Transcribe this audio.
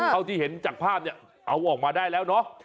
เอาที่เห็นจากภาพเอาออกมาได้แล้วนะ